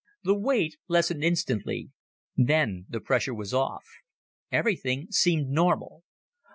The weight lessened instantly. Then the pressure was off. Everything seemed normal.